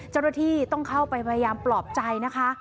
เจ้าหน้าที่ต้องเข้าไปพยายามปลอบใจนะคะ